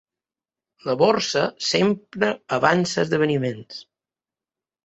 La borsa sempre avança esdeveniments.